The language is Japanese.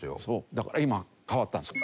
だから今変わったんです。